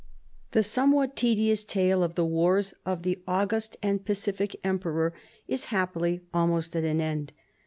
The somewhat tedious tale of the wars of the August and Pacific Emperor is happily almost at an end.